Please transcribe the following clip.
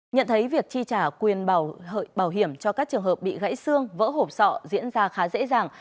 nhận thấy việc chi trả quyền bảo hiểm cho các trường hợp bị gãy xương vỡ hộp sọ diễn ra khá dễ dàng